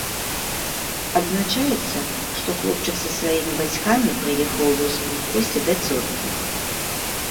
Адзначаецца, што хлопчык са сваімі бацькамі прыехаў у вёску ў госці да цёткі.